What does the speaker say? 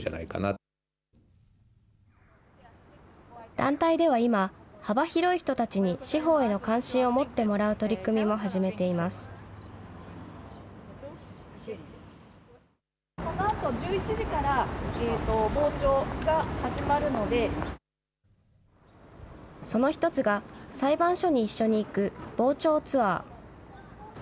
団体では今、幅広い人たちに司法への関心を持ってもらう取り組みも始めていまこのあと１１時から、その一つが、裁判所に一緒に行く傍聴ツアー。